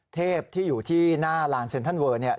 เทพที่อยู่ที่หน้าลานเซ็นทันเวิร์ด